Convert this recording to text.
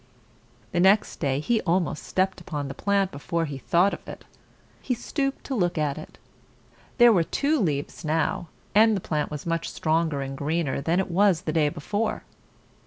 The next day he almost stepped upon the plant before he thought of it. He stooped to look at it. There were two leaves now, and the plant was much stronger and greener than it was the day before.